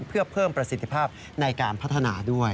เพื่อเพิ่มประสิทธิภาพในการพัฒนาด้วย